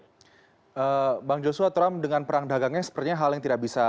bang joshua trump dengan perang dagangnya sepertinya hal yang tidak bisa